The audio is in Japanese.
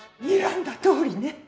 にらんだとおりね。